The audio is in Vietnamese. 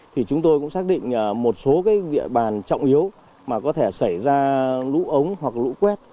thì chúng tôi cũng xác định một số cái địa bàn trọng yếu mà có thể xảy ra lũ ống hoặc lũ quét